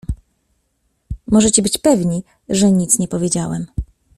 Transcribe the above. "Możecie być pewni, że nic nie powiedziałem."